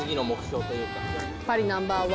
パリナンバー１。